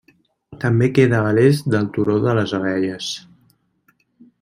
També queda a l'est del Turó de les Abelles.